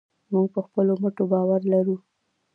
موږ په خپلو مټو باور لرو.